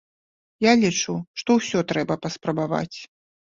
Я лічу, што ўсё трэба паспрабаваць.